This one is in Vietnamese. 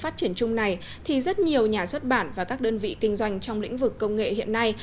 phát triển chung này thì rất nhiều nhà xuất bản và các đơn vị kinh doanh trong lĩnh vực công nghệ hiện nay